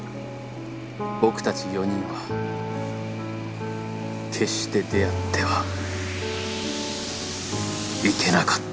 僕たち４人は決して出会ってはいけなかった